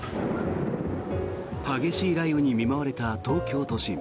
激しい雷雨に見舞われた東京都心。